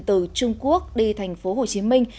từ trung quốc đi thành phố hồ chí minh